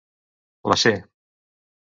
La c